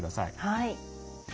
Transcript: はい。